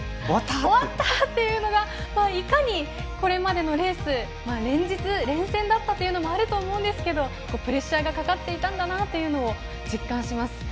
終わったー！っていうのがいかに、これまでのレース連日、連戦だったというのもあると思いますがプレッシャーがかかっていたんだなというのを実感します。